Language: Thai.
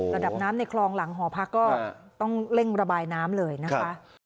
ระดับน้ำในคลองหลังหอพักก็ต้องเร่งระบายน้ำเลยนะคะ